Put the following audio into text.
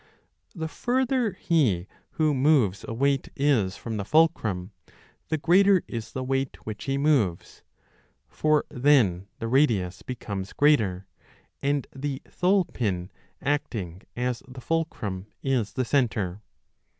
The further he who moves a weight is from the fulcrum, the greater is the weight which he moves ; for then the radius becomes greater, and the thole pin acting as the fulcrum is the centre.